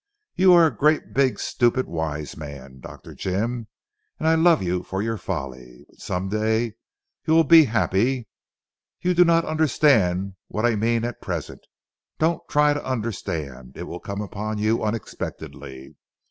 You are a great big stupid wise man Dr. Jim, and I love you for your folly. But some day you will be happy. You do not understand what I mean at present. Don't try to understand. It will come upon you unexpectedly.